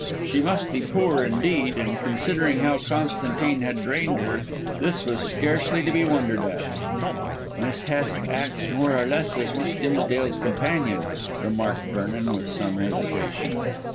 She must be poor indeed, and considering how Constantine had drained her, this was scarcely to be wondered at. "Miss Hest acts more or less as Miss Dimsdale's companion," remarked Vernon with some hesitation.